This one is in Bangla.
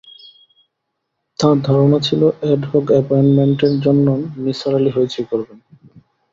তাঁর ধারণা ছিল এডহক অ্যাপয়েন্টমেন্টের জন্যে নিসার আলি হৈচৈ করবেন।